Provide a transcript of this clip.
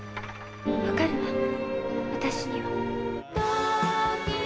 分かるわ、私には。